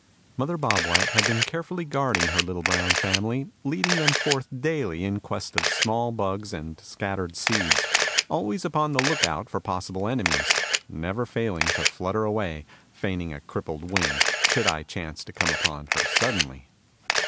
Mother Bob White had been carefully guarding her little brown family, leading them forth daily in quest of small bugs and scattered seeds, always upon the lookout for possible enemies, never failing to flutter away, feigning a crippled wing, should I chance to come upon her suddenly.